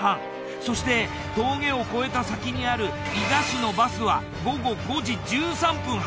そして峠を越えた先にある伊賀市のバスは午後５時１３分発。